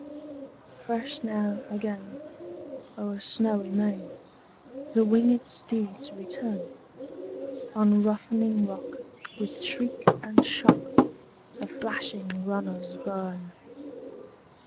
Fresh now, again, o'er snowy main, The winged steeds return: On roughening rock, with shriek and shock, The flashing runners burn.